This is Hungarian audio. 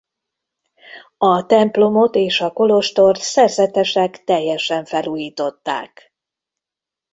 A templomot és a kolostort szerzetesek teljesen felújították.